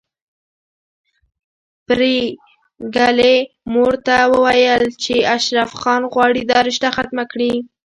پري ګلې مور ته ويل چې اشرف خان غواړي دا رشته ختمه کړي